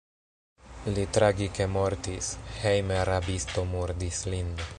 Li tragike mortis: hejme rabisto murdis lin.